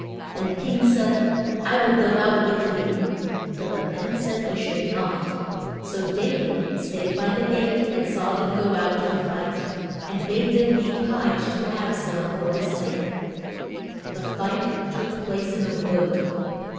And the king said, I will go out with you. But the men said he should not; so Da vid staid by the gate and saw them go out to the fight, and bade them be kind to Ab sa lom for his sake. [Illustration: THE DEATH OF AB SA LOM.] The fight took place in a wood.